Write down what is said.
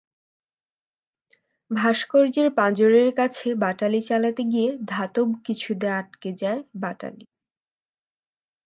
ভাস্কর্যের পাঁজরের কাছে বাটালি চালাতে গিয়ে ধাতব কিছুতে আঁটকে যায় বাটালি।